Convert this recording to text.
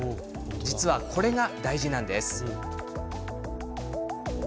実は、これが大事なんです。